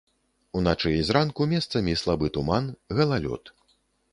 Уначы і зранку месцамі слабы туман, галалёд.